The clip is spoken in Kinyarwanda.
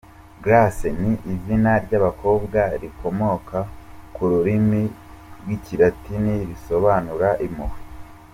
Grâce ni izina ry’abakobwa rikomoka ku rurimi rw’ikilatini risobanura “Impuhwe”.